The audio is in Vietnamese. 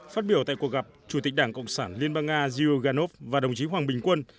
phát biểu tại cuộc gặp chủ tịch đảng cộng sản liên bang nga zhuganov và đồng chí hoàng bình quân